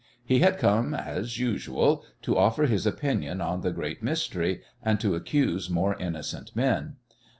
He had come, as usual, to offer his opinion on the great mystery, and to accuse more innocent men.